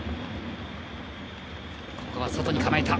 ここは外に構えた。